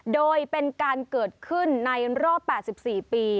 โดยเป็นการเกิดขึ้นในรอบ๘๔ปี